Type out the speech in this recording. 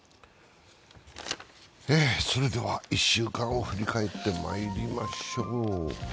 それでは１週間を振り返ってまいりましょう。